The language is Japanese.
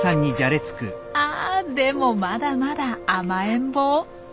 あでもまだまだ甘えん坊。